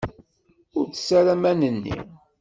Ur ttess ara aman-nni!